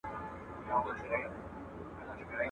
نڅول چي یې سورونو د کیږدیو سهارونه.